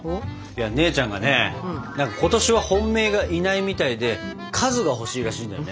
姉ちゃんがね今年は本命がいないみたいで数が欲しいらしいんだよね。